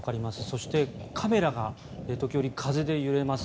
そして、カメラが時折、風で揺れます。